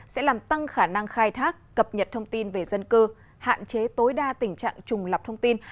sẽ làm tăng khả năng khai thác cập nhật thông tin về dân cư hạn chế tối đa tình trạng trùng lập thông tin